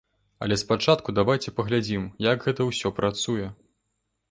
Але спачатку давайце паглядзім, як гэта ўсё працуе.